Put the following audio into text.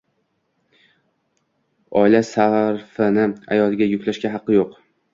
oila sarfini ayoliga yuklashga haqqi yo‘q.